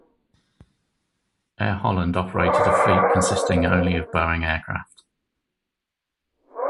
Air Holland operated a fleet consisting only of Boeing aircraft.